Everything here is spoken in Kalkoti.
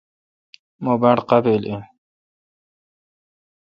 مہ باڑ قابل این۔